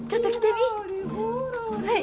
はい。